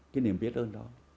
cái niềm biết ơn đó